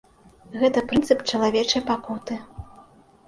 Гэта прынцып чалавечай пакуты.